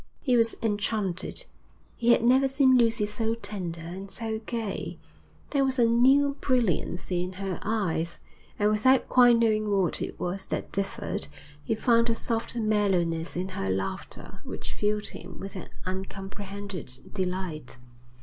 He was enchanted. He had never seen Lucy so tender and so gay; there was a new brilliancy in her eyes; and, without quite knowing what it was that differed, he found a soft mellowness in her laughter which filled him with an uncomprehended delight.